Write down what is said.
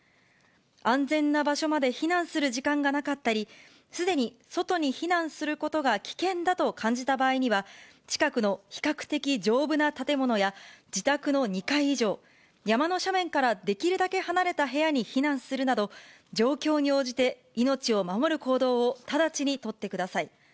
安全な場所まで避難する時間がなかったり、すでに外に避難することが危険だと感じた場合には、近くの比較的丈夫な建物や、自宅の２階以上、山の斜面からできるだけ離れた部屋に避難するなど、状況に応じて、命を守る行動を直ちに取ってください。